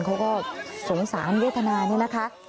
เขาก็สงสารยุทธนานี่นะคะ